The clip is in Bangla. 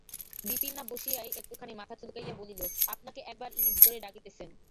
বিপিন না বসিয়াই একটুখানি মাথা চুলকাইয়া বলিল, আপনাকে এক বার ইনি ভিতরে ডাকিতেছেন।